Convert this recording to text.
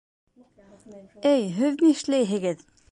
— Эй, һеҙ ни эшләйһегеҙ!